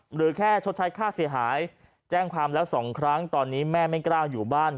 หรือแค่ชดใช้ค่าเสียหายแจ้งความแล้วสองครั้งตอนนี้แม่ไม่กล้าอยู่บ้าน